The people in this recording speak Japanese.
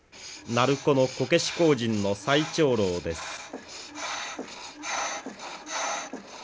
鳴子のこけし工人の最長老です。